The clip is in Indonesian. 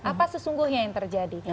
apa sesungguhnya yang terjadi